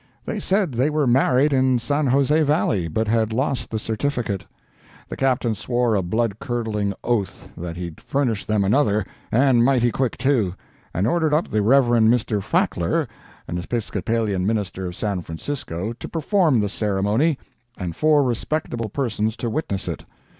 They said they were married in San Jose Valley, but had lost the certificate. The Captain swore a blood curdling oath that he'd furnish them another, and mighty quick, too; and ordered up the Rev. Mr. Fackler, an Episcopalian minister of San Francisco, to perform the ceremony, and four respectable persons to witness it.